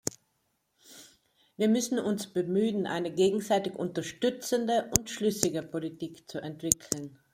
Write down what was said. Wir müssen uns bemühen, eine gegenseitig unterstützende und schlüssige Politik zu entwickeln.